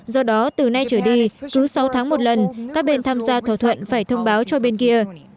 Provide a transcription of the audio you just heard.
do đó từ nay trở đi cứ sáu tháng một lần các bên tham gia thỏa thuận phải thông báo cho bên kia